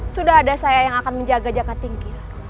sudah ada saya yang akan menjaga jangka tinggi